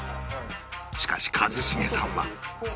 しかし一茂さんは